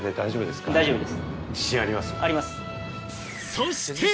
そして。